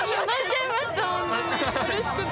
うれしくて。